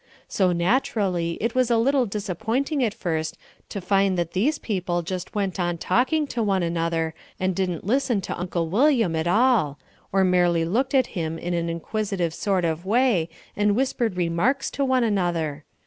So naturally it was a little disappointing at first to find that these people just went on talking to one another and didn't listen to Uncle William at all, or merely looked at him in an inquisitive sort of way and whispered remarks to one another.